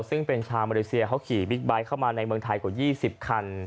ซึ่งเป็นชาวมาเลเซียเขาขี่บิ๊กไบท์เข้ามาในเมืองไทยกว่า๒๐คัน